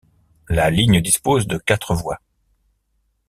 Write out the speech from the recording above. La ligne dispose de quatre voies.